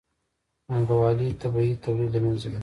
پانګوالۍ طبیعي تولید له منځه یووړ.